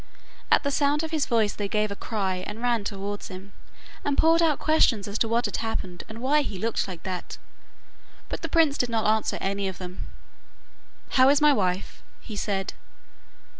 At the sound of his voice they gave a cry and ran towards him, and poured out questions as to what had happened, and why he looked like that. But the prince did not answer any of them. 'How is my wife?' he said.